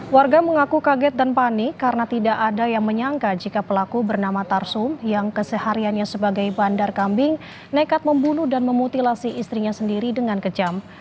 warga mengaku kaget dan panik karena tidak ada yang menyangka jika pelaku bernama tarsum yang kesehariannya sebagai bandar kambing nekat membunuh dan memutilasi istrinya sendiri dengan kejam